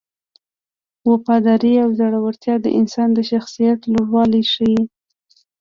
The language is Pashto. وفاداري او زړورتیا د انسان د شخصیت لوړوالی ښيي.